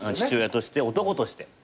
父親として男として。